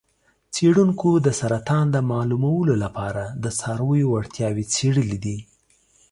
څیړونکو د سرطان د معلومولو لپاره د څارویو وړتیاوې څیړلې دي.